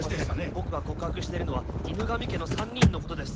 僕が告白しているのは犬神家の３人のことです。